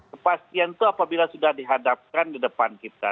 kepastian itu apabila sudah dihadapkan di depan kita